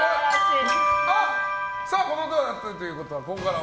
この音が鳴ったということはここからは